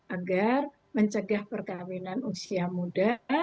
agar mencegah perkawinan usia muda